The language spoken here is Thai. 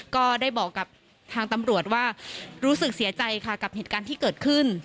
ก็ได้บอกกับทางตำรวจว่ารู้สึกเสียใจค่ะกับเหตุการณ์ที่เกิดขึ้น